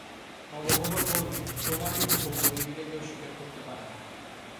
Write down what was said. নবগোপাল বললে, তোমারই হুকুম ঐ বিলে কেউ শিকার করতে পারে না।